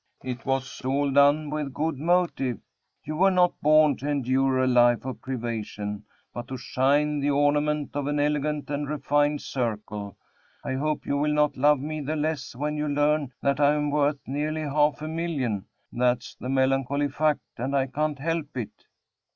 "It was all done with a good motive. You were not born to endure a life of privation, but to shine the ornament of an elegant and refined circle. I hope you will not love me the less when you learn that I am worth nearly half a million that's the melancholy fact, and I can't help it."